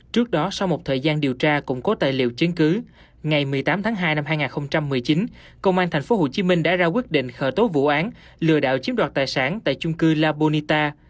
trước đó sau một thời gian điều tra củng cố tài liệu chứng cứ ngày một mươi tám tháng hai năm hai nghìn một mươi chín công an tp hcm đã ra quyết định khởi tố vụ án lừa đảo chiếm đoạt tài sản tại chung cư la bonita